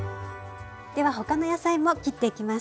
では他の野菜も切っていきます。